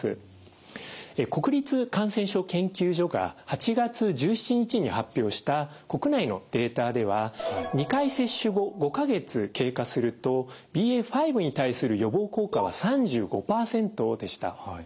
国立感染症研究所が８月１７日に発表した国内のデータでは２回接種後５か月経過するとＢＡ．５に対する予防効果は３５％でした。